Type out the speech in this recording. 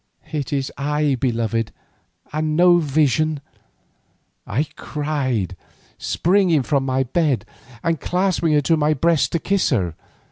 "It is I, beloved, and no vision," I cried, springing from my bed and clasping her to my breast to kiss her.